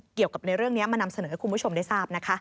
เกี่ยวกับในเรื่องนี้มานำเสนอให้คุณผู้ชมได้ทราบนะคะ